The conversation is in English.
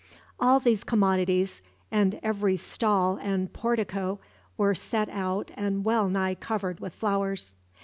All these commodities, and every stall and portico, were set out and well nigh covered with flowers.